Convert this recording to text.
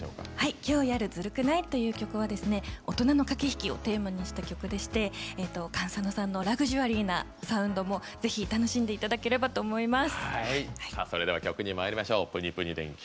きょうやる「ずるくない？」という曲は大人の駆け引きをテーマにしてる曲でしてＫａｎＳａｎｏさんのラグジュアリーな曲も楽しんでいただければと思います。